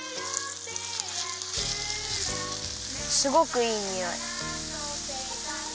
すごくいいにおい。